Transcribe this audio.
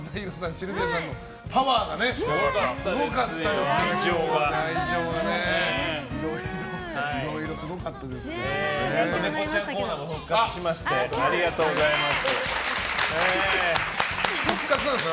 シルビアさんのパワーがすごかったですけどね。